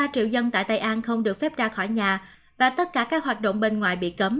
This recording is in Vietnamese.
ba triệu dân tại tây an không được phép ra khỏi nhà và tất cả các hoạt động bên ngoài bị cấm